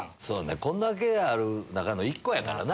こんだけある中の１個やからな。